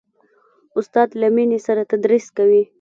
استاد له مینې سره تدریس کوي.